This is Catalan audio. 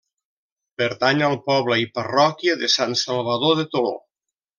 Pertany al poble i parròquia de Sant Salvador de Toló.